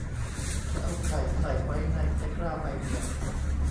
อย่าเอาไข่ใส่ไว้ในตะกร้าใบเดียว